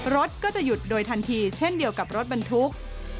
รถก็จะหยุดโดยทันทีเช่นเดียวกับรถบรรทุก